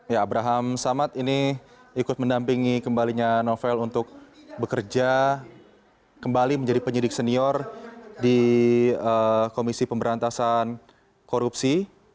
ya abraham samad ini ikut mendampingi kembalinya novel untuk bekerja kembali menjadi penyidik senior di komisi pemberantasan korupsi